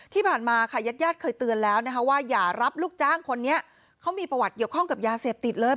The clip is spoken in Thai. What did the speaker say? ที่ผ่านมาค่ะญาติญาติเคยเตือนแล้วนะคะว่าอย่ารับลูกจ้างคนนี้เขามีประวัติเกี่ยวข้องกับยาเสพติดเลย